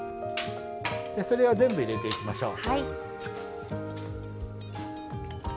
それは全部入れていきましょう。